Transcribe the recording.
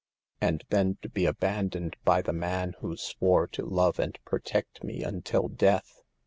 And then to be abandoned by the man who swore to love and protect me until death